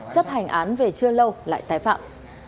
chấp hành án về chưa lâu lại tái phạm